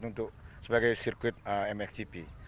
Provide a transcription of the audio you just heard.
jadi kita membuatnya sebagai sirkuit mxgp